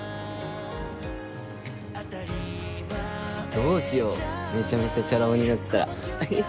どうしようめちゃめちゃチャラ男になってたらヘヘヘ。